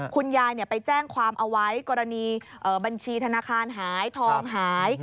คุณยายไปแจ้งความเอาไว้กรณีบัญชีธนาคารหายทองหาย